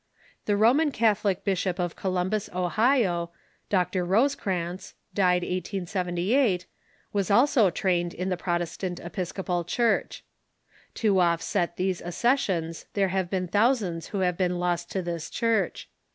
The Roman Catholic bishop of Columbus, Ohio, Dr. Rosecrans (died 1878), was also trained in the Protestant Epis copal Church. To oftset these accessions there have been thou sands who liave been lost to this Church.